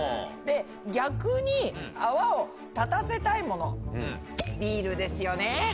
で逆に泡を立たせたいものビールですよね。